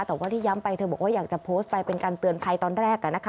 แต่ว่าที่ย้ำไปเธอบอกว่าอยากจะโพสต์ไปเป็นการเตือนภัยตอนแรก